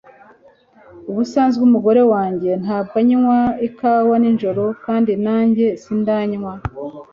Ubusanzwe umugore wanjye ntabwo anywa ikawa nijoro, kandi nanjye sindanywa.